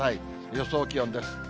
予想気温です。